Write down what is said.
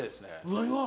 何が？